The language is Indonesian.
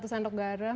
satu sendok garam